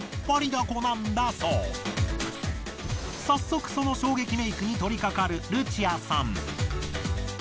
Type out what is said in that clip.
早速その衝撃メイクに取りかかるルチアさん。